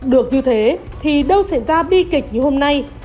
được như thế thì đâu sẽ ra bi kịch như hôm nay